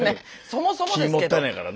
そもそもですけど。